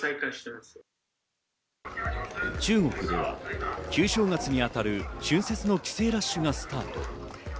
中国では旧正月に当たる春節の帰省ラッシュがスタート。